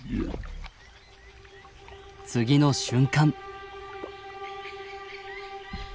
次の瞬間。